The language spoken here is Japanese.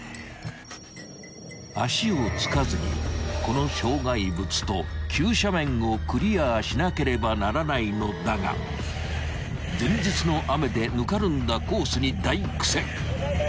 ［足をつかずにこの障害物と急斜面をクリアしなければならないのだが前日の雨でぬかるんだコースに大苦戦］